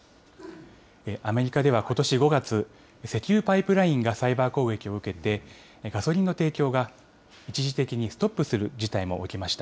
アメリカではことし５月、石油パイプラインがサイバー攻撃を受けて、ガソリンの提供が一時的にストップする事態も起きました。